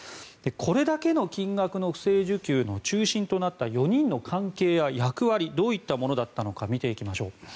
これだけの金額の不正受給の中心となった４人の関係や役割はどういったものだったのか見ていきましょう。